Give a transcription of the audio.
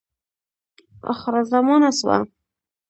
آخره زمانه سوه .